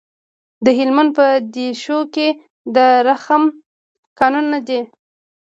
د هلمند په دیشو کې د رخام کانونه دي.